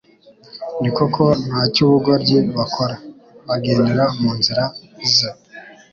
Ni koko nta cy'ubugoryi bakora, bagendera mu nzira ze!".